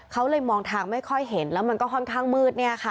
เขาเลยมองทางไม่ค่อยเห็นแล้วมันก็ค่อนข้างมืดเนี่ยค่ะ